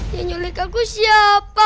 dia nyulihkan ku siapa